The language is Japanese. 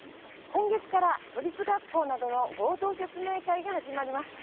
今月から都立学校などの合同説明会が始まります。